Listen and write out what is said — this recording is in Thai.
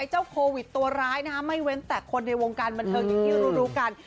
เจ้าโควิดตัวร้ายไม่เว้นแต่คนในวงการบันเทิงอย่างที่รู้กัน